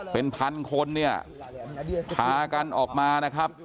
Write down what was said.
เป็นพันคนเนี่ยพากันออกมานะครับ